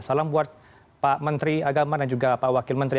salam buat pak menteri agama dan juga pak wakil menteri